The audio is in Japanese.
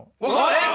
えっ？